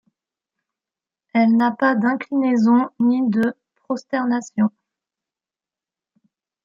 Elle n'a pas d'inclinaison ni de prosternation.